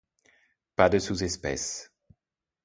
Pas de sous-espèce.